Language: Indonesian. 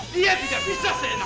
dia tidak bisa seenak